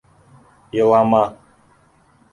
Илама...